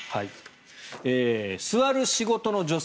座る仕事の女性